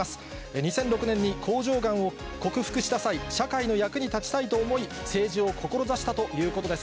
２００６年に甲状がんを克服した際、社会の役に立ちたいと思い、政治を志したということです。